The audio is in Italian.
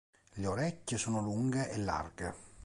Le orecchie sono lunghe e larghe.